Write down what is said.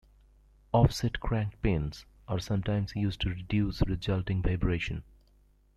Offset crankpins are sometimes used to reduce the resulting vibration.